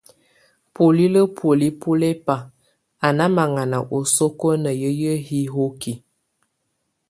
Bulilǝ́ bùóli bɔ́ lɛ́ ba á ná maŋana osókó ná hiǝ́yi hihoki.